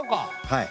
はい。